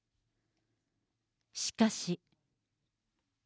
しかし。